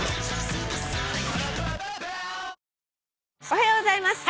「おはようございます。